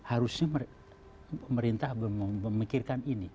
harusnya pemerintah memikirkan ini